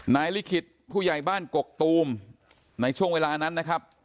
ลิขิตผู้ใหญ่บ้านกกตูมในช่วงเวลานั้นนะครับ